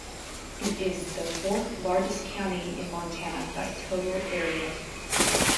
It is the fourth-largest county in Montana by total area.